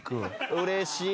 うれしい！